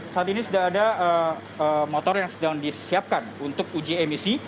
saat ini sudah ada motor yang sedang disiapkan untuk uji emisi